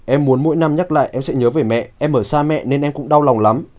em muốn mỗi năm nhắc lại em sẽ nhớ về mẹ em ở xa mẹ nên em cũng đau lòng lắm